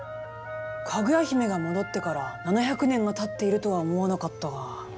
かぐや姫が戻ってから７００年が経っているとは思わなかったが。